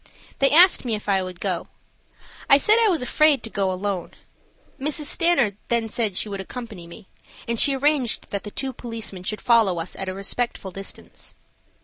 They asked me if I would go. I said I was afraid to go alone. Mrs. Stanard then said she would accompany me, and she arranged that the two policemen should follow us at a respectful distance.